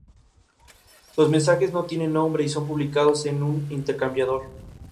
El fruto en forma de núculas dorsalmente comprimidas, orbiculares de color marrón.